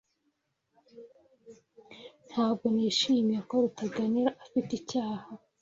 Ntabwo nishimiye ko Rutaganira afite icyaha.